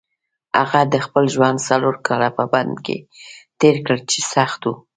هغه د خپل ژوند څلور کاله په بند کې تېر کړل چې سخت وو.